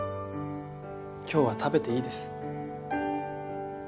今日は食べていいです。